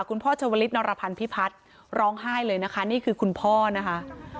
ชวลิศนรพันธ์พิพัฒน์ร้องไห้เลยนะคะนี่คือคุณพ่อนะคะ